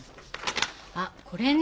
あっこれね！